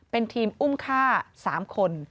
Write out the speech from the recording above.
เป็นทีมอุ้มฆ่า๓คน